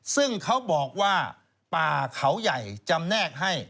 ซึ่งเขาบอกว่าป่าเขาใหญ่จำแนกให้